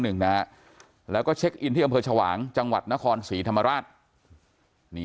หนึ่งนะแล้วก็เช็คอินที่อำเภอชวางจังหวัดนครศรีธรรมราชนี่